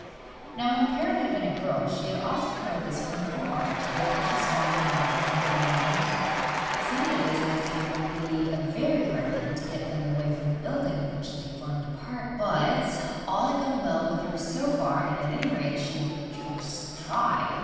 Now when the parrot had been a girl she had often heard of this wonderful arch and the precious stones and marbles that had been let into it. It sounded as if it would be a very hard thing to get them away from the building of which they formed a part, but all had gone well with her so far, and at any rate she could but try.